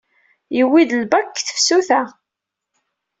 Yewwi-d lbak deg tefsut-a.